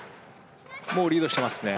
もうリードしてますね